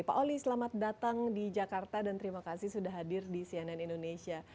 pak oli selamat datang di jakarta dan terima kasih sudah hadir di cnn indonesia